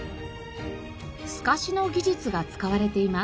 すかしの技術が使われています。